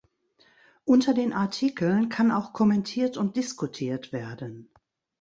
Unter den Artikeln kann auch kommentiert und diskutiert werden.